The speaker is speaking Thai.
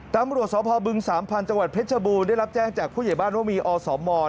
ตามบริโรธสอบภาวบึง๓พันธุ์จังหวัดเพชรบูรณ์ได้รับแจ้งจากผู้ใหญ่บ้านโมมีอสม